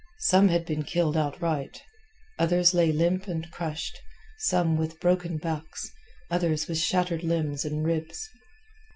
Some had been killed outright, others lay limp and crushed, some with broken backs, others with shattered limbs and ribs.